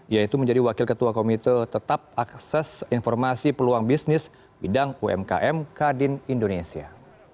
yaitu menjadi wakil ketua komite tetap akses informasi peluang bisnis bidang umkm kadin indonesia